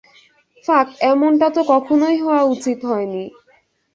ফাক, এমনটা কখনোই হওয়া উচিত হয়নি।